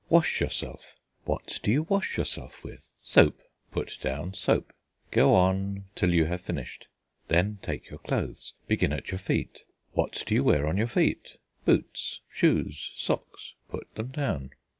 Wash yourself. What do you wash yourself with? Soap; put down soap. Go on till you have finished. Then take your clothes. Begin at your feet; what do you wear on your feet? Boots, shoes, socks; put them down.